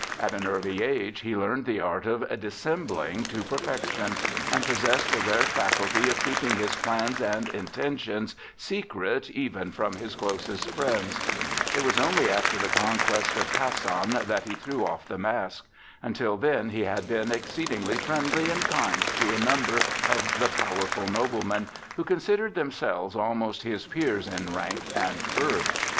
At an early age he learned the art of dissembling to perfection, and possessed the rare faculty of keeping his plans and intentions secret even from his closest friends. It was only after the conquest of Kasan that he threw off the mask. Until then he had been exceedingly friendly and kind to a number of the powerful noblemen, who considered themselves almost his peers in rank and birth.